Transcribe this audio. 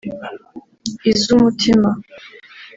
iz’umutima